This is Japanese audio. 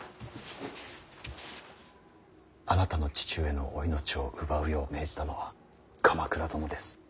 あなたの父上のお命を奪うよう命じたのは鎌倉殿です。